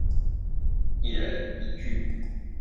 一人一句